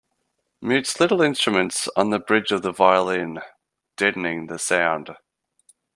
Mutes little instruments on the bridge of the violin, deadening the sound.